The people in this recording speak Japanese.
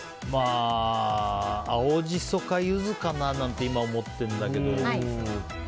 青ジソかユズかななんて今思ってるんだけど。